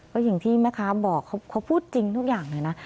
ก็อย่างที่แม่ค้าบอกเขาพูดจริงทุกอย่างเลยนะ